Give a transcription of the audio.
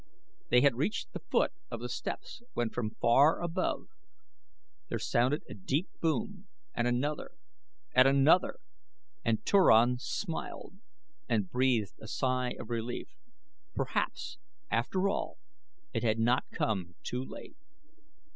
They had reached the foot of the steps when from far above there sounded a deep boom, and another, and another, and Turan smiled and breathed a sigh of relief. Perhaps, after all, it had not come too late.